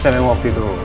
saya menganggap waktu itu